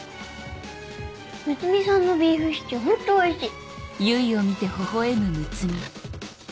睦美さんのビーフシチューホントおいしい。